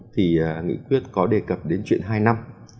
thì nghị quyết có đề cập đến chuyện hai năm